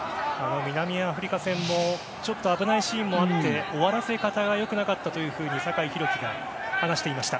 南アフリカ戦もちょっと危ないシーンもあって終わらせ方が良くなかったと酒井宏樹が話していました。